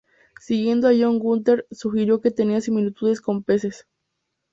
Siguiendo a John Hunter, sugirió que tenía similitudes con peces.